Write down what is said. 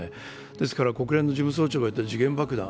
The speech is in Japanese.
ですから国連事務総長がいった時限爆弾